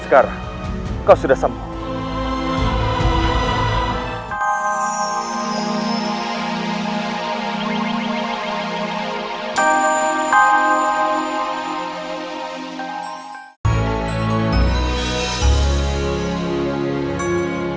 sekarang kau sudah sampai